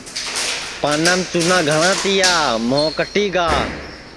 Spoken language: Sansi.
پانام چُونا گھٹؔا یا موھ کٹی گا